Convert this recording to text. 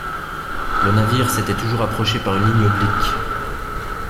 Le navire s’était toujours approché par une ligne oblique.